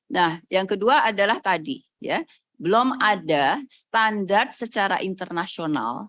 nah yang kedua adalah tadi ya belum ada standar secara internasional